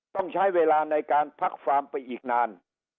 ต้องใช้เวลาในการพักฟาร์มไปอีกนาน